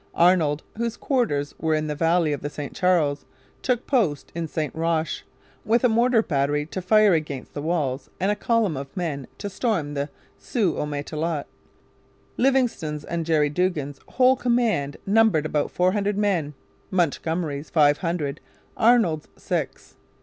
Arnold, whose quarters were in the valley of the St Charles, took post in St Roch, with a mortar battery to fire against the walls and a column of men to storm the Sault au Matelot. Livingston's and Jerry Duggan's whole command numbered about four hundred men, Montgomery's five hundred, Arnold's six.